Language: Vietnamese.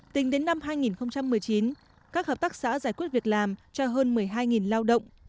tính đến năm hai nghìn một mươi chín các hợp tác xã giải quyết việc làm cho hơn một mươi hai lao động